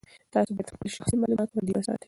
تاسي باید خپل شخصي معلومات خوندي وساتئ.